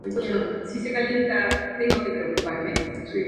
Ateneo menciona un modelo de pie ancho y de fuste delgado.